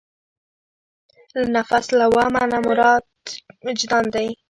له نفس لوامه نه مراد وجدان دی.